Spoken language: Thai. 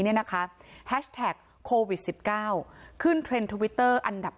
เนี่ยนะคะแฮชแท็กโควิด๑๙ขึ้นเทรนด์ทวิตเตอร์อันดับ